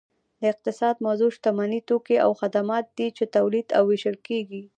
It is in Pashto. د اقتصاد موضوع شتمني توکي او خدمات دي چې تولید او ویشل کیږي